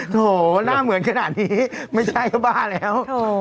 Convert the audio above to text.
โถหน้าเหมือนขนาดนี้ไม่ใช่ก็บ้าแล้ว